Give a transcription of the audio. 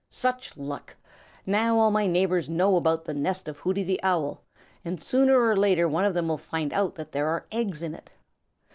"Such luck! Now all my neighbors know about the nest of Hooty the Owl, and sooner or later one of them will find out that there are eggs in it.